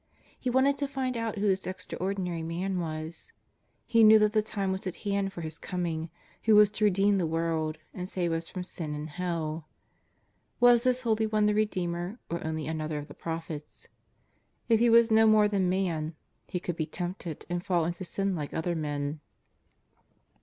He wanted to find out who this extraordinary man was. He knew that the time was at hand for His Coming who was to redeem the world and save us from sin and hell. Was this holy One the Redeemer, or only another of the prophets ? If he was no more than man. He could be tempted and fall into sin like other men.